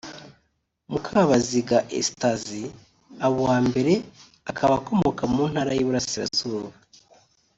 Mukabaziga Estasie aba uwa mbere akaba akomoka mu Ntara y’Iburasirazuba